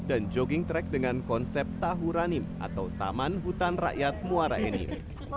dan jogging track dengan konsep tahuranim atau taman hutan rakyat muara enim